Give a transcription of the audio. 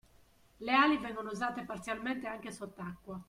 Le ali vengono usate parzialmente anche sott'acqua.